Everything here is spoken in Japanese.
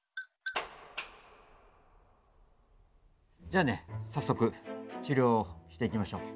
じゃあね早速治療をしていきましょう。